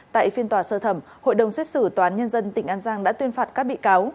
tại phiên tòa sơ thẩm hội đồng xét xử tòa án nhân dân tỉnh an giang đã tuyên phạt các bị cáo